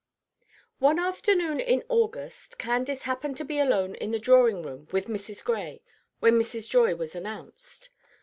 ONE afternoon in August, Candace happened to be alone in the drawing room with Mrs. Gray when Mrs. Joy was announced.